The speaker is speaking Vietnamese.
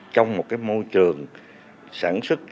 trong một môi trường sản xuất